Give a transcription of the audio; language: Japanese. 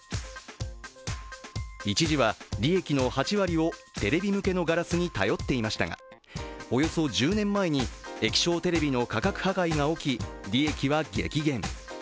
一時は利益の８割をテレビ向けのガラスに頼っていましたがおよそ１０年前に液晶テレビの価格破壊が起き、利益は激減。